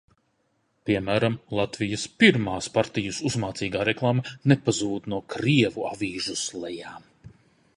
Piemēram, Latvijas Pirmās partijas uzmācīgā reklāma nepazūd no krievu avīžu slejām.